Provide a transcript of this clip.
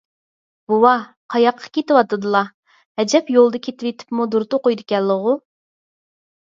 بوۋا، قاياققا كېتىۋاتىدىلا؟ ئەجەب يولدا كېتىۋېتىپمۇ دۇرۇت ئوقۇيدىكەنلىغۇ؟